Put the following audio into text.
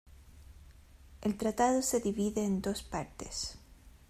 El tratado se divide en dos partes.